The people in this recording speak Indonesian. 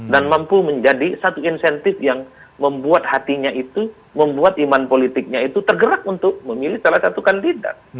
dan mampu menjadi satu insentif yang membuat hatinya itu membuat iman politiknya itu tergerak untuk memilih salah satu kandidat